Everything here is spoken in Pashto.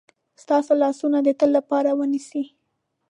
ستاسو لاسونه د تل لپاره ونیسي.